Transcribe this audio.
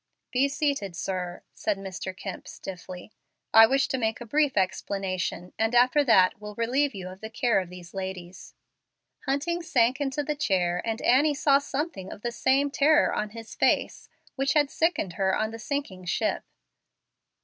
"Be seated, sir," said Mr. Kemp, stiffly; "I wish to make a brief explanation, and after that will relieve you of the care of these ladies." Hunting sank into a chair, and Annie saw something of the same terror on his face which had sickened her on the sinking ship.